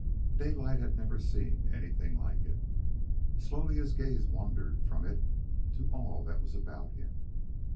Daylight had never seen anything like it. Slowly his gaze wandered from it to all that was about him.